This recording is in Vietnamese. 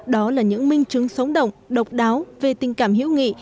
đó là những minh chứng sống động độc đáo về tình cảm hữu nghị